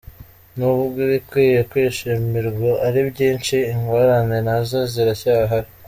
N’ubwo ibikwiye kwishimirwa ari byinshi, ingorane nazo ziracyahari.